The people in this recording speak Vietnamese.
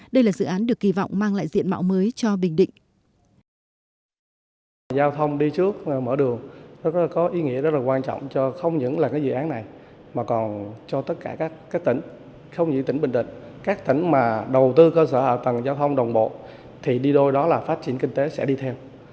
đây là dự án được kỳ vọng mang lại diện mạo mới cho bình định